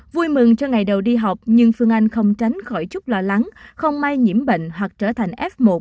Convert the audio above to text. vui mừng cho ngày đầu đi học nhưng phương anh không tránh khỏi chút lo lắng không may nhiễm bệnh hoặc trở thành f một